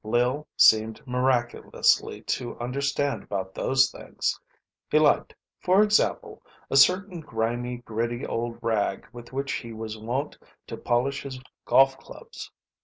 Lil seemed miraculously to understand about those things. He liked, for example, a certain grimy, gritty old rag with which he was wont to polish his golf clubs.